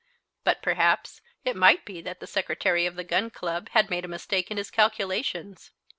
But, perhaps, it might be that the secretary of the Gun Club had made a mistake in his calculations.